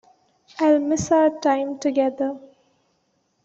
I will miss our time together.